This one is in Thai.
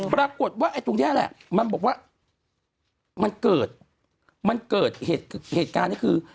ปรากฏว่าตรงนี้แหละมันบอกว่ามันเกิดเหตุการณ์นี้คือ